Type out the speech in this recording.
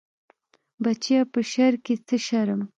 بچيه په شرع کې څه شرم.